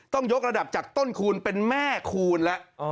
ต้องยกระดับจากต้นคูณเป็นแม่คูณแล้ว